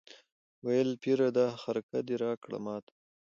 ویل پیره دا خرقه دي راکړه ماته